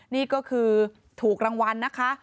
นี่ก็คือถูกรางวัลนะคะ